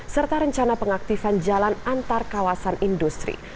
serta rencana pengaktifan jalan antar kawasan industri